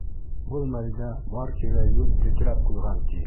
Был мәлдә бар тирә-йүн тетрәп ҡуйған, ти.